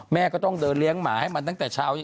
แม่ก็ต้องเดินเลี้ยงหมาให้มันตั้งแต่เช้า